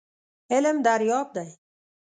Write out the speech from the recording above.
علم دریاب دی .